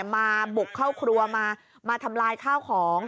มาบุกเข้าครัวมาทำลายข้าวของ